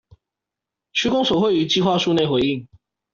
區公所會於計畫書內回應